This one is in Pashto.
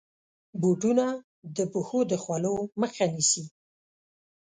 بوټونه د پښو د خولو مخه نیسي.